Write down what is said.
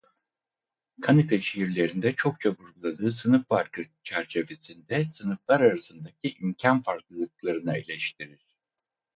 Kanık'ın şiirlerinde çokça vurguladığı sınıf farkı çerçevesinde sınıflar arasındaki imkân farklılıklarını eleştirir.